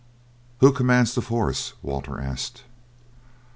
"Who commands the force?" Walter asked.